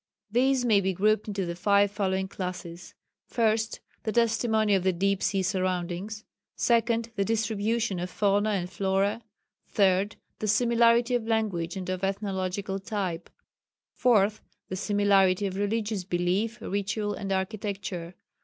These may be grouped into the five following classes: First, the testimony of the deep sea soundings. Second, the distribution of fauna and flora. Third, the similarity of language and of ethnological type. Fourth, the similarity of religious belief, ritual, and architecture.